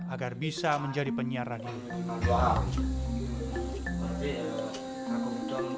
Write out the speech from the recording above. agar bisa menjadi penyiar radio